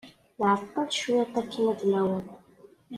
Nɛeḍḍel cwiṭ akken ad d-naweḍ.